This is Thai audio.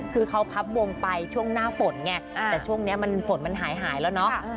คือเขาพับวงไปช่วงหน้าฝนไงแต่ช่วงนี้มันฝนมันหายแล้วเนาะ